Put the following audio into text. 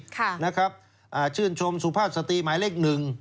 ค่ะนะครับอ่าชื่นชมสุภาพสตรีหมายเลขหนึ่ง